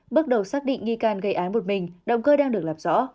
bước đầu xác định nghi can gây án một mình động cơ đang được làm rõ